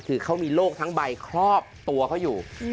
คือเขามีโรคทั้งใบครอบตัวเขาอยู่